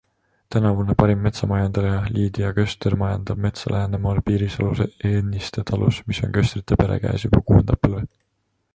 Tänavune parim metsamajandaja Liidia Köster majandab metsa Läänemaal Piirisalus Enniste talus, mis on Köstrite pere käes juba kuuendat põlve.